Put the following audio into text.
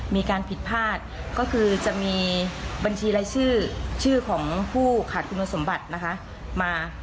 มีการผิดพลาดก็คือจะมีบัญชีรายชื่อชื่อของผู้ขาดคุณสมบัตินะคะมา